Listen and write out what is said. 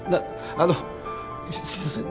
あのすいません